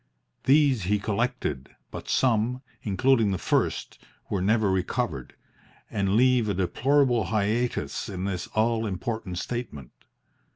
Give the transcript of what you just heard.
These he collected, but some, including the first, were never recovered, and leave a deplorable hiatus in this all important statement.